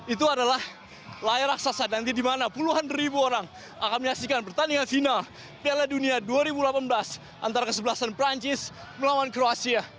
itu adalah layar raksasa nanti di mana puluhan ribu orang akan menyaksikan pertandingan final piala dunia dua ribu delapan belas antara kesebelasan perancis melawan kroasia